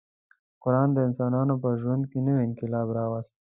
قران د انسانانو په ژوند کې نوی انقلاب راوست.